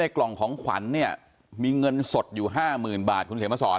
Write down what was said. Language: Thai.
กล่องของขวัญเนี่ยมีเงินสดอยู่๕๐๐๐บาทคุณเขียนมาสอน